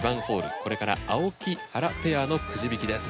これから青木・原ペアのくじ引きです。